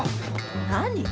何？